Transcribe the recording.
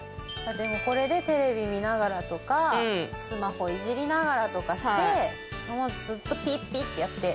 これでテレビ見ながらとかスマホいじりながらとかしてずっとピッピッてやって。